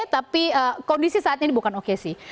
tapi kondisi saat ini bukan oke sih